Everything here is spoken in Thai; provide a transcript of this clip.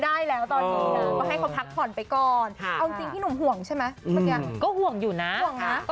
เดี๋ยวลองทำให้ฟังหน่อยสิ